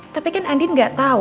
tapi kan andin gak tau